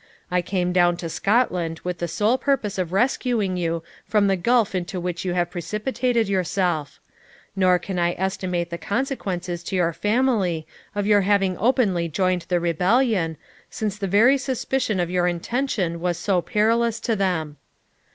I came down to Scotland with the sole purpose of rescuing you from the gulf into which you have precipitated yourself; nor can I estimate the consequences to your family of your having openly joined the rebellion, since the very suspicion of your intention was so perilous to them.